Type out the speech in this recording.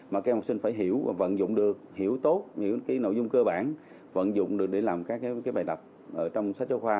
mà các học sinh phải hiểu và vận dụng được hiểu tốt những nội dung cơ bản vận dụng được để làm các bài tập trong sách giáo khoa